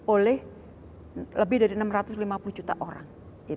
oleh lebih dari enam ratus lima puluh juta orang